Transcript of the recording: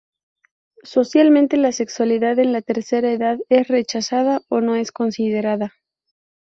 Socialmente la sexualidad en la tercera edad es rechazada o no es considerada.